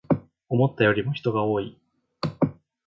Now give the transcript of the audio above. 思ったよりも人が多い